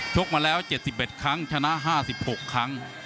กมาแล้ว๗๑ครั้งชนะ๕๖ครั้ง